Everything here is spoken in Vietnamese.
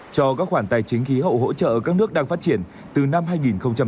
cho các khoản tài chính khí hậu hỗ trợ các nước đang phát triển từ năm hai nghìn một mươi